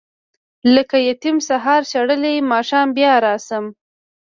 لکه یتیم سهار شړلی ماښام بیا راشم.